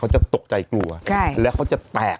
จะตกใจกลัวแล้วเขาจะแตก